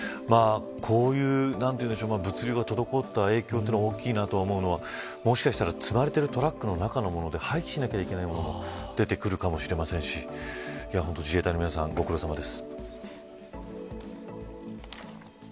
こういう物流が滞った影響は大きなともしかしたら積まれているトラックの中のもので廃棄しなければいけないものが出てくる可能性もありますし自衛隊の皆さん本当にご苦労さまです。